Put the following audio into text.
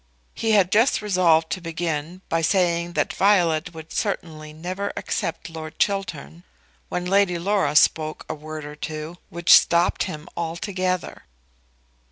He had just resolved to begin by saying that Violet would certainly never accept Lord Chiltern, when Lady Laura spoke a word or two which stopped him altogether.